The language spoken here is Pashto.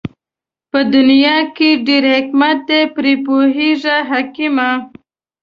په دنيا کې ډېر حکمت دئ پرې پوهېږي حُکَما